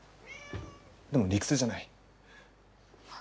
でも、理屈じゃない。